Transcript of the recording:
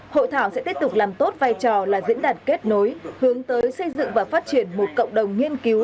hội thảo sẽ tiếp tục làm tốt vai trò là diễn đàn kết nối hướng tới xây dựng và phát triển một cộng đồng nghiên cứu